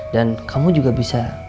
dan kamu juga bisa